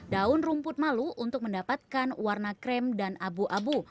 daun rumput malu untuk mendapatkan warna krem dan abu abu